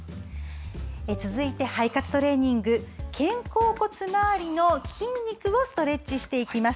続いて、肺活トレーニング肩甲骨回りの筋肉をストレッチしていきます。